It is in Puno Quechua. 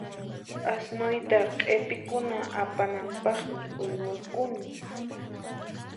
Asnuyta q'ipikuna apananpaqmi uywakuni.